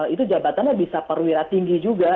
itu jabatannya bisa perwira tinggi juga